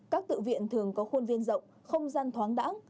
các tự viện thường có khuôn viên rộng không gian thoáng đẳng